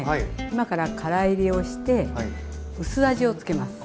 今からからいりをして薄味をつけます。